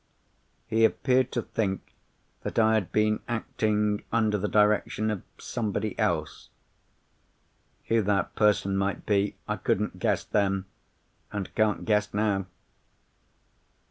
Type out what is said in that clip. He appeared to think that I had been acting under the direction of somebody else. Who that person might be, I couldn't guess then, and can't guess now.